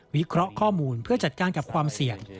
วิเคราะห์ข้อมูลเพื่อจัดการกับความเสี่ยง